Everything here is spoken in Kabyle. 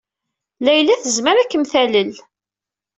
Layla tezmer ad kem-talel.